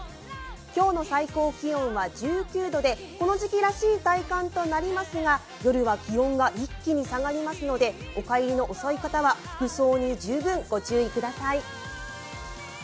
今日の最高気温は１９度で、この時期らしい体感となりますが、夜は気温が一気に下がりますのでお帰りが遅い方は服装に十分ご注意ください。